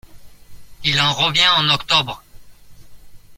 Il en revient en octobre.